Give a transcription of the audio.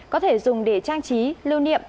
có thể dùng để trang trí lưu niệm